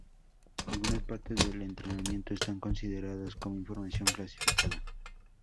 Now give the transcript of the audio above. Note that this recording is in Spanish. Algunas partes del entrenamiento están consideradas como información clasificada.